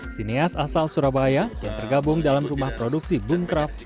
sineas asal surabaya yang tergabung dalam rumah produksi boongcraft